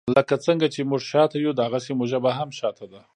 لکه څنګه چې موږ شاته یو داغسي مو ژبه هم شاته ده.